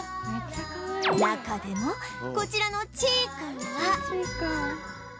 中でもこちらのちい君は